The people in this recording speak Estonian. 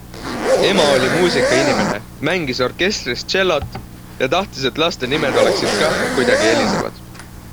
Ema oli muusikainimene, mängis orkestris tšellot ja tahtis, et laste nimed oleksid kah kuidagi helisevad.